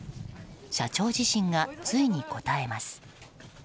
社長自身がついに答えます。